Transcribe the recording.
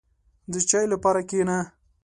• د چای لپاره کښېنه.